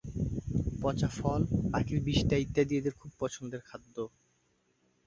পচা ফল, পাখির বিষ্ঠা ইত্যাদি এদের খুব পছন্দের খাদ্য।